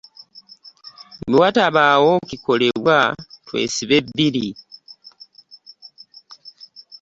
Bwe watabaawo kikolebwa twesibe bbiri.